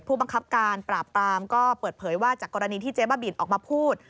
ผู้บังคับการปราบปรามก็เปิดเผยว่าจากกรณีที่เจ๊บ้าบินออกมาพูด